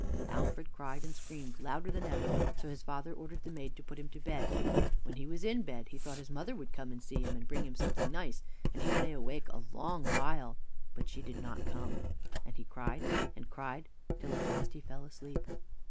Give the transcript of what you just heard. Alfred cried and screamed louder than ever, so his father ordered the maid to put him to bed. When he was in bed, he thought his mother would come and see him and bring him something nice, and he lay awake a long while; but she did not come, and he cried and cried till at last he fell asleep.